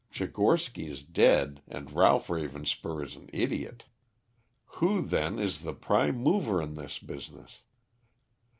Tchigorsky is dead and Ralph Ravenspur is an idiot. Who, then, is the prime mover in this business?"